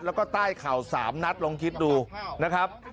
แล้วก็ใต้เข่า๓นัดลองคิดดูนะครับ